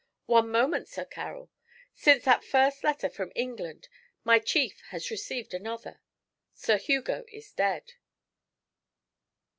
'One moment, Sir Carroll. Since that first letter from England, my chief has received another. Sir Hugo is dead.'